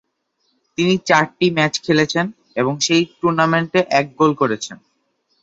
তিনি চারটি ম্যাচ খেলেছেন এবং সেই টুর্নামেন্টে এক গোল করেছেন।